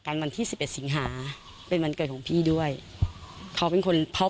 การวันที่๑๑สิงหาเป็นวันเกิดของพี่ด้วยเขาเป็นคนเขา